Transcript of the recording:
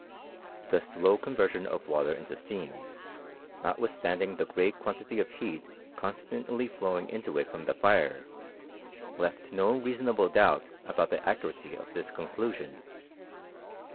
The slow conversion of water into steam, not withatanding the great quantity of heat constantly y2 324 HISTORY OF CHEMISTRY. flowing into it from the fire, left no reasonable doubt about the accuracy of this conclusion.